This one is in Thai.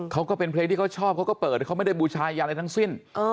ก็เป็นเพลงที่เขาชอบเขาก็เปิดเขาไม่ได้บูชายันอะไรทั้งสิ้น